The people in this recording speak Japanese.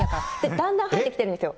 だんだん入ってきてるんですよ。